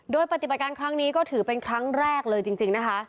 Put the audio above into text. โดยปฏิบัติการครั้งนี้ก็ถือเป็นครั้งแรกเลยจริงนะคะ